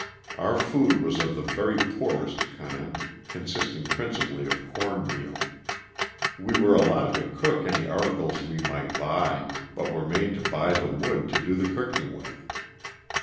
Our food was of the very poorest kind, consisting principally of corn meal. We were allowed to cook any articles we might buy, but were made to buy the wood to do the cooking with.